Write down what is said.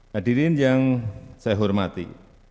hadirin yang saya hormati